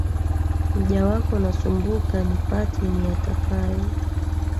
Mja wako nasumbuka, nipate niyatakayo.